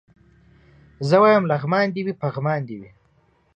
زه وايم لغمان دي وي پغمان دي وي